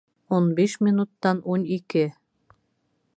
Ун биш минуттан ун ике